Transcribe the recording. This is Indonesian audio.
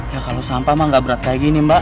ya kalau sampah mah gak berat kayak gini mbak